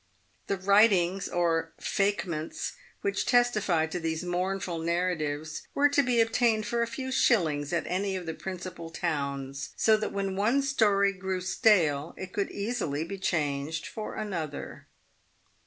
The writings, or "fakements," which testified to these mournful narratives, were to be obtained for a few shillings at any of the principal towns, so that when one story grew stale, it could easily be changed for another.